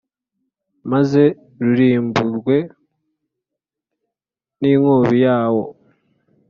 maze rurimburwe n’inkubi yawo.